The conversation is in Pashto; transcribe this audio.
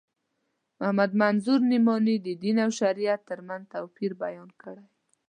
محمد منظور نعماني د دین او شریعت تر منځ توپیر بیان کړی دی.